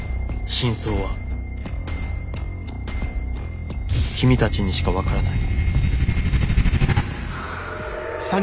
真相は君たちにしかわからない」。